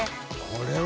これは。